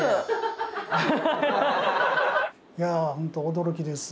いや本当驚きです。